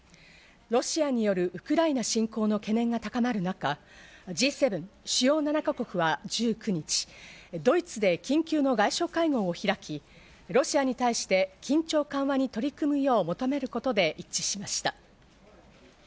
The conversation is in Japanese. ロシアによるウクライナ侵攻の懸念が高まる中、Ｇ７＝主要７か国は１９日、ドイツで緊急の外相会合を開き、ロシアに対して緊張緩和に取り組むよう求めることで一致しました。